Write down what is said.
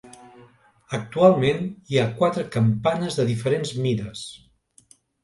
Actualment hi ha quatre campanes de diferents mides.